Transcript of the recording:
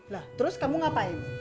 lah terus kamu ngapain